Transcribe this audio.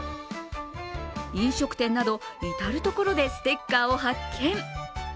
飲食店など至るところでステッカーを発見。